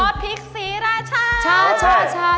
ซอสพริกสีราชา